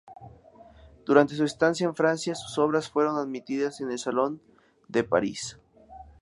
Durante su estancia en Francia, sus obras fueron admitidas en el "Salón de París".